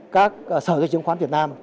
các sở dịch chứng khoán việt nam